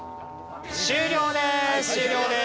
終了です。